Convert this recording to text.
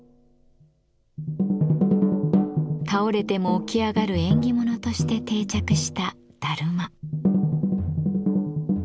倒れても起き上がる縁起物として定着したダルマ。